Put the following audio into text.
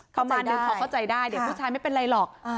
ประมาณนึงพอเข้าใจได้เดี๋ยวผู้ชายไม่เป็นไรหรอก